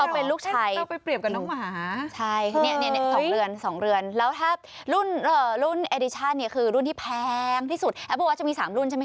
เป็นโจ๊กหรือเปล่า